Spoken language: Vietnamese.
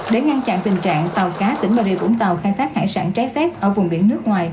để ngăn chặn tình trạng tàu cá tỉnh bà rịa vũng